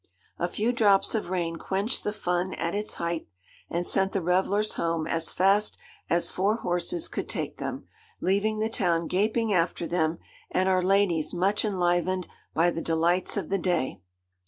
A few drops of rain quenched the fun at its height, and sent the revellers home as fast as four horses could take them, leaving the town gaping after them, and our ladies much enlivened by the delights of the day.